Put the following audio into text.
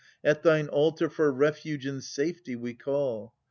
At thine altar for refuge and safety we call.